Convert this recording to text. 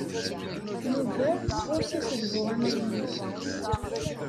Yuba ɣur-s asedhu amaynut.